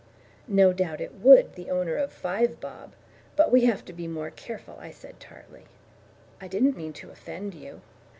"No doubt it would the owner of Five Bob, but we have to be more careful," I said tartly. "I didn't mean to offend you."